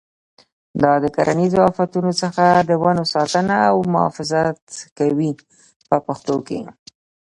دا د کرنیزو آفتونو څخه د ونو ساتنه او محافظت کوي په پښتو کې.